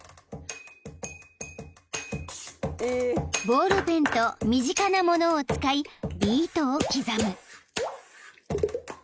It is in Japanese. ［ボールペンと身近なものを使いビートを刻む］